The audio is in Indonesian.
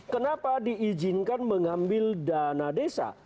kenapa diizinkan mengambil dana desa